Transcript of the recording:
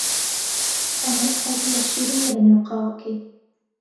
ئەنەس حەزی لە شیر نییە لەنێو قاوەکەی.